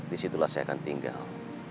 di situlah saya akan tinggal